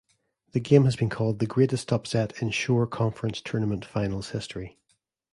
The game has been called the "Greatest upset in Shore Conference Tournament Finals History".